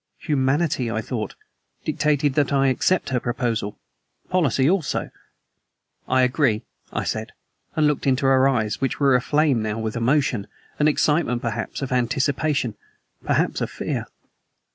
Humanity, I thought, dictated that I accept her proposal; policy also. "I agree," I said, and looked into her eyes, which were aflame now with emotion, an excitement perhaps of anticipation, perhaps of fear.